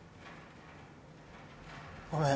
ごめん。